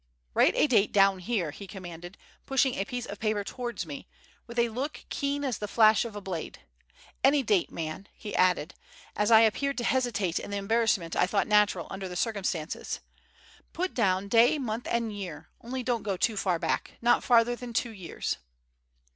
"Write a date down here," he commanded, pushing a piece of paper towards me, with a look keen as the flash of a blade. "Any date, man," he added, as I appeared to hesitate in the embarrassment I thought natural under the circumstances. "Put down day, month, and year, only don't go too far back; not farther than two years."